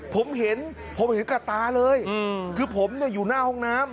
ผมเห็นผมเห็นกับตาเลยคือผมเนี่ยอยู่หน้าห้องน้ำ